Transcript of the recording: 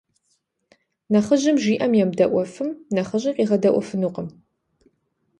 Нэхъыжьым жиӀэм емыдэӀуэфым, нэхъыщӀи къигъэдэӀуэфынукъым.